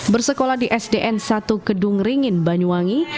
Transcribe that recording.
bersekolah di sdn satu kedung ringin banyuwangi